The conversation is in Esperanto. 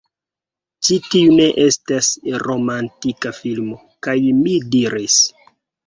Ĉi tiu ne estas romantika filmo! kaj mi diris: